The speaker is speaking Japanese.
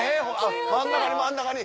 真ん中に真ん中に。